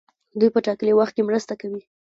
دوی په ټاکلي وخت کې مرسته کوي.